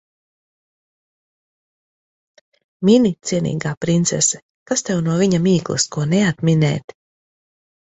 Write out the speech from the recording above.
Mini, cienīgā princese. Kas tev no viņa mīklas ko neatminēt.